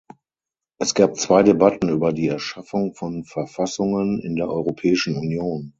Es gab zwei Debatten über die Erschaffung von Verfassungen in der Europäischen Union.